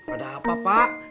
ada apa pak